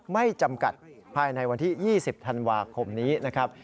ไม่จำกัดภายในวันที่๒๐ธันวาคมนี้นะครับ